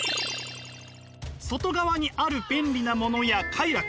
外側にある便利なものや快楽。